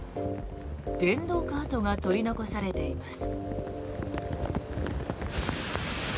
電動カートが取り残されています。